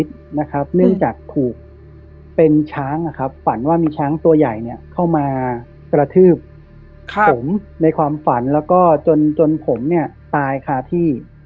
ทั้งตัวใหญ่เนี่ยเข้ามากระทืบผมในความฝันแล้วก็จนจนผมเนี่ยตายค่าที่